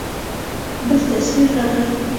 بل تصوير راغى.